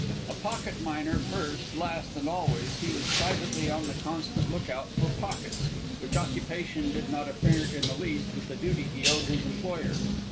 A pocket miner, first, last, and always, he was privately on the constant lookout for pockets, which occupation did not interfere in the least with the duty he owed his employer.